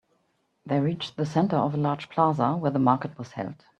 They reached the center of a large plaza where the market was held.